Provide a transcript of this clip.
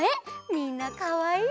みんなかわいい！